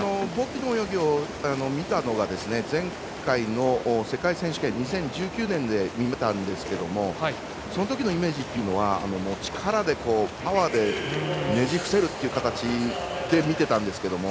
ボキの泳ぎを見たのが前回の世界選手権２０１９年で見たんですけどそのときのイメージというのは力で、パワーでねじ伏せるという形で見ていたんですけど。